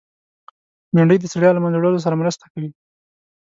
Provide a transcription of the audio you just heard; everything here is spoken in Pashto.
بېنډۍ د ستړیا له منځه وړلو سره مرسته کوي